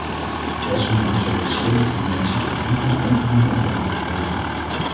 Desondanks heeft de stedelijke dimensie tot nu toe onvoldoende erkenning gekregen.